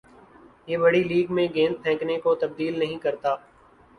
یہ بڑِی لیگ میں گیند پھینکنے کو تبدیل نہیں کرتا